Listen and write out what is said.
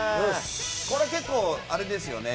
これ結構あれですよね。